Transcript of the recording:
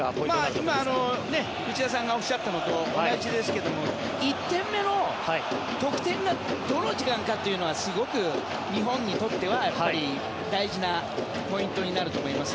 今、内田さんがおっしゃったのと同じですけど１点目の得点がどの時間かというのはすごく日本にとっては大事なポイントになると思います。